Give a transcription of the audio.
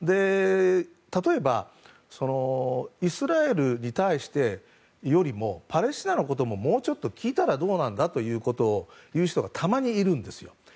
例えばイスラエルに対してよりもパレスチナのことももうちょっと聞いたらどうなんだと言う人がたまにいるんですよ。